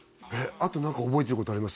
あと何か覚えてることあります？